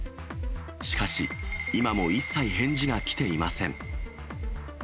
しかし、今も一切、返事は来ていません。